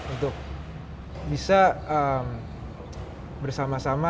untuk bisa bersama sama